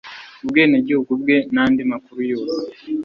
ubwenegihugu bwe n andi makuru yose